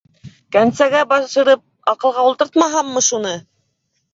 Кәнсәгә башырып, аҡылға ултыртмаһаммы шуны!